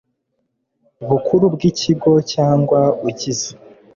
bukuru bw ikigo cyangwa ugize